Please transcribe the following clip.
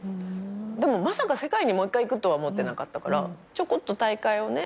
でもまさか世界にもう一回行くとは思ってなかったからちょこっと大会をね。